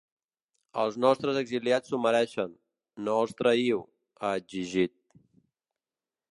Els nostres exiliats s’ho mereixen, no els traïu, ha exigit.